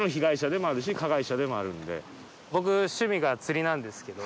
もちろん趣味が釣りなんですけど。